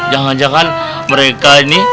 jangan jangan mereka ini